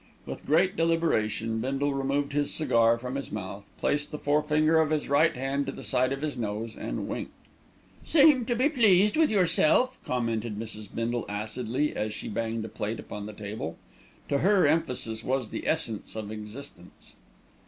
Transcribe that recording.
With great deliberation Bindle removed his cigar from his mouth, placed the forefinger of his right hand to the side of his nose, and winked. "Seem to be pleased with yourself," commented Mrs. Bindle acidly, as she banged a plate upon the table. To her, emphasis was the essence of existence.